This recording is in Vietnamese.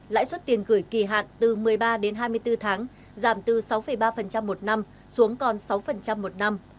lãi suất tiền gửi kỳ hạn từ một mươi ba đến hai mươi bốn tháng giảm từ sáu ba một năm xuống còn sáu một năm